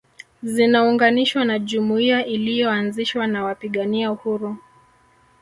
Zinaunganishwa na jumuiya iliyoanzishwa na wapigania uhuru